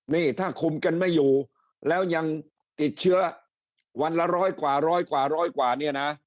นี่ถ้าคุมกันไม่อยู่แล้วยังติดเชื้อวันละร้อยกว่าร้อยกว่าร้อยกว่าเนี่ยนะ